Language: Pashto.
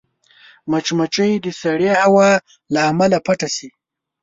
مچمچۍ د سړې هوا له امله پټه شي